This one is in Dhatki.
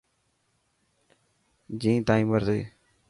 جين تائن مرضي.